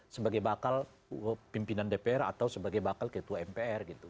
sebagai bakal pimpinan dpr atau sebagai bakal ketua mpr gitu